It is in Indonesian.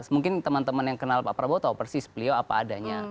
mungkin teman teman yang kenal pak prabowo tahu persis beliau apa adanya